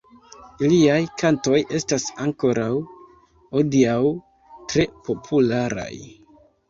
Iliaj kantoj estas ankoraŭ hodiaŭ tre popularaj.